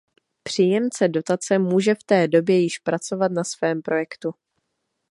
Příjemce dotace může v té době již pracovat na svém projektu.